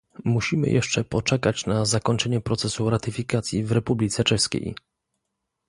Musimy jeszcze poczekać na zakończenie procesu ratyfikacji w Republice Czeskiej